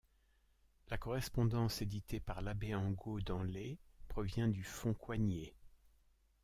La correspondance éditée par l'Abbé Angot dans les provient du Fonds Couanier.